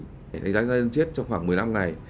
thì đánh giá nhân chết trong khoảng một mươi năm này